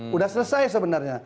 sudah selesai sebenarnya